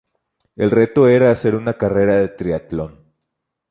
El reto era hacer una carrera de triatlón.